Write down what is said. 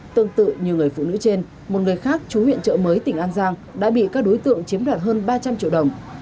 tương tự như người phụ nữ trên một người khác chú huyện trợ mới tỉnh an giang đã bị các đối tượng chiếm đoạt hơn ba trăm linh triệu đồng